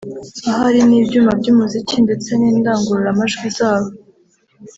ahari n’ibyuma by’umuziki ndetse n’indangururamajwi zabo